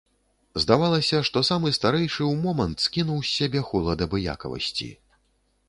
Здавалася, што самы старэйшы ў момант скінуў з сябе холад абыякавасці.